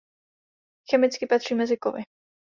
Chemicky patří mezi kovy.